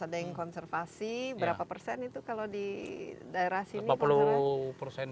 ada yang konservasi berapa persen itu kalau di daerah sini pak